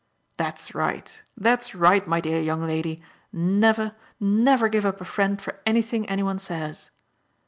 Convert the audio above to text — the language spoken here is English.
"That's right, that's right, my dear young lady: never, never give up a friend for anything any one says!"